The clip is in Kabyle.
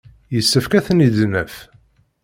Yessefk ad ten-id-naf.